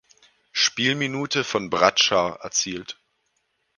Spielminute von Bradshaw erzielt.